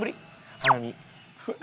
花見。